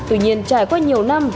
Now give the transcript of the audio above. tuy nhiên trải qua nhiều năm